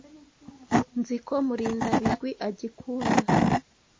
Nzi ko Murindabigwi agikunda.